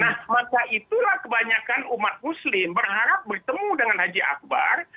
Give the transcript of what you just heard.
nah maka itulah kebanyakan umat muslim berharap bertemu dengan haji akbar